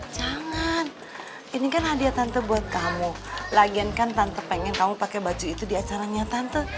jangan ini kan hadiah tante buat kamu lagian kan tante pengen kamu pakai baju itu di acara nya tante